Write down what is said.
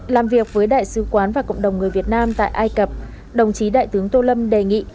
làm việc với đại sứ quán và cộng đồng người việt nam tại ai cập đồng chí đại tướng tô lâm đề nghị